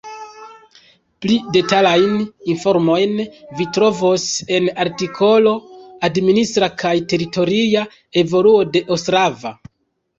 Pli detalajn informojn vi trovos en artikolo Administra kaj teritoria evoluo de Ostrava.